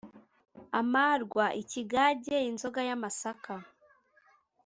amarwa: ikigage, inzoga y’amasaka